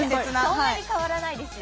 そんなに変わらないですよ。